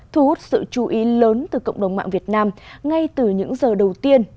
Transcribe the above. thu hút sự chú ý lớn từ cộng đồng mạng việt nam ngay từ những giờ đầu tiên